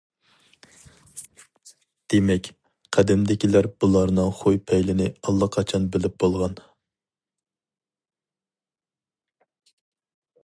دېمەك قەدىمدىكىلەر بۇلارنىڭ خۇي پەيلىنى ئاللىقاچان بىلىپ بولغان.